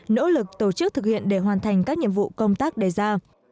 nỗ lực tổ chức thực hiện để hoàn thành các nhiệm vụ công tác đề ra